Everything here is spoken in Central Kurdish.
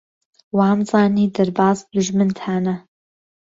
وامزانی دەرباز دوژمنتانە.